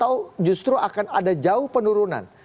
atau justru akan ada jauh penurunan